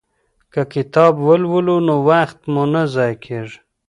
که کتاب ولولو نو وخت مو نه ضایع کیږي.